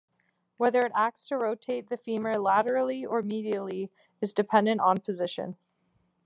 Whether it acts to rotate the femur laterally or medially is dependent on position.